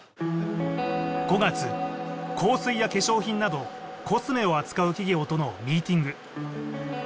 ５月香水や化粧品などコスメを扱う企業とのミーティング